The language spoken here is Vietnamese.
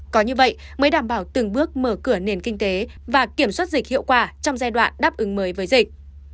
có như vậy mới đảm bảo từng bước mở cửa nền kinh tế và kiểm soát dịch hiệu quả trong giai đoạn đáp ứng mới với dịch